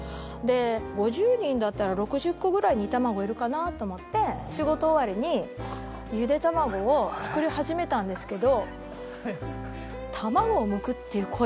５０人だったら６０個ぐらい煮玉子いるかなと思って仕事終わりにゆで卵を作り始めたんですけど。